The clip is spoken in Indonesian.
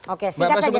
oke singkat saja